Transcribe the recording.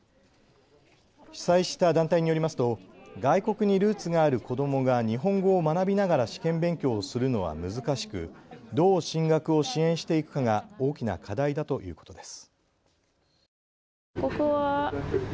主催した団体によりますと外国にルーツがある子どもが日本語を学びながら試験勉強をするのは難しく、どう進学を支援していくかが大きな課題だということです。